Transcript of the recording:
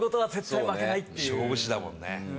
勝負師だもんね。